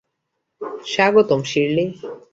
স্বাগতম, শিরলি।